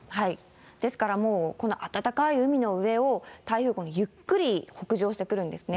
ですからもうこの暖かい海の上を、台風、ゆっくり北上してくるんですね。